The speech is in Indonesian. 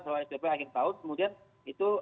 soal sdp akhir tahun kemudian itu